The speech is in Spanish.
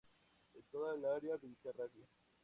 En toda el área mediterránea.